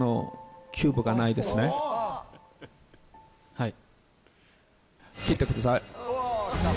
はい。